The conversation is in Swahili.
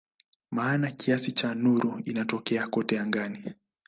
Maana kiasi cha nuru inatokea kote angani.